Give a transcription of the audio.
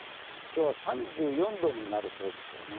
今日は３４度になるそうですがね